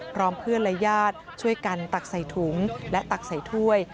พร้อมเพื่อนและญาติช่วยกันตักใส่ถุงและตักใส่ถ้วย